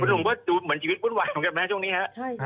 คุณหนุ่มว่าดูเหมือนชีวิตวุ่นวายของแม่ช่วงนี้ครับ